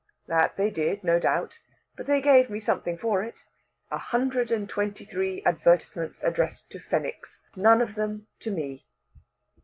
"That they did, no doubt. But they gave me something for it. A hundred and twenty three advertisements addressed to Fenwicks none of them to me!"